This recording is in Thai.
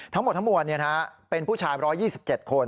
ทั้งหมดทั้งมวลเป็นผู้ชาย๑๒๗คน